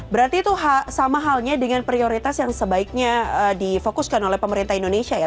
berarti itu sama halnya dengan prioritas yang sebaiknya difokuskan oleh pemerintah indonesia ya